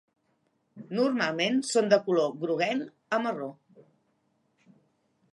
Normalment són de color groguenc a marró.